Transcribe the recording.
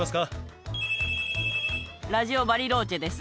ラジオ・バリローチェです。